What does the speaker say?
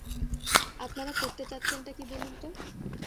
আপনারা করতে চাচ্ছেনটা কী বলুন তো?